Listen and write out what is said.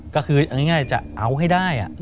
ก็คือเอาง่ายจะเอาให้ได้